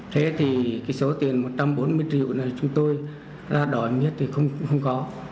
thế thì cái số tiền một trăm bốn mươi triệu này chúng tôi ra đòi nhất thì không có